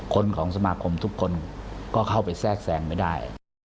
คนของสมาคมทุกคนก็เข้าไปแทรกแซงไม่ได้